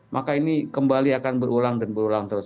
maka ini kembali akan berulang dan berulang terus